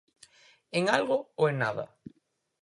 ¿En algo ou en nada?